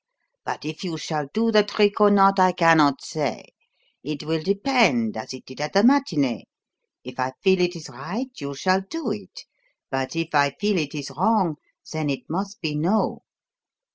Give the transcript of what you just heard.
But if you shall do the trick or not, I cannot say. It will depend, as it did at the matinee. If I feel it is right, you shall do it; but if I feel it is wrong, then it must be no.